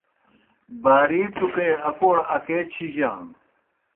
باری ٹُکے اکوڑ اکے چِھجانوْ۔